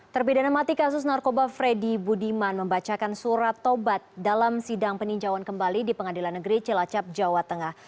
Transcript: terpidana mati kasus narkoba freddy budiman membacakan surat tobat dalam sidang peninjauan kembali di pengadilan negeri cilacap jawa tengah